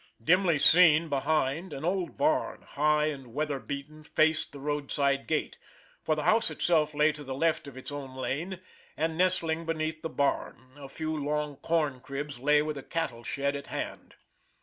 Dimly seen behind, an old barn, high and weather beaten, faced the roadside gate, for the house itself lay to the left of its own lane; and nestling beneath the barn, a few long corn cribs lay with a cattle shed at hand.